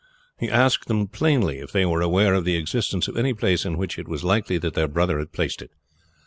"He asked them plainly if they were aware of the existence of any place in which it was likely that their brother had placed it.